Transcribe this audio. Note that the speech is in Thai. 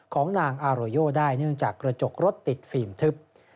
ของนางอาโรโยได้เนื่องจากกระจกรถติดฟิล์มทึบ